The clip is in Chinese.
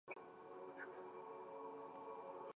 建设开发股份有限公司